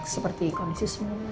seperti kondisi semula ya